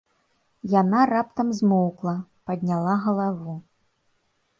Яна раптам змоўкла, падняла галаву.